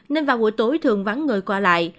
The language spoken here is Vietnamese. nên vào buổi tối thường vắng người qua lại